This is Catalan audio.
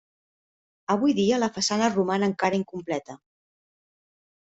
Avui dia la façana roman encara incompleta.